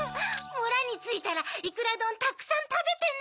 むらについたらいくらどんたくさんたべてね！